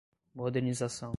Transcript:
modernização